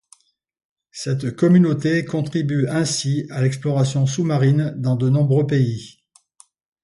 Cette communauté contribue ainsi à l'exploration sous-marine dans de nombreux pays.